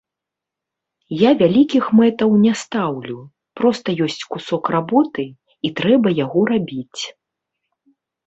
Я вялікіх мэтаў не стаўлю, проста ёсць кусок работы, і трэба яго рабіць.